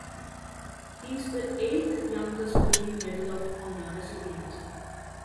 He is the eighth-youngest living Medal of Honor recipient.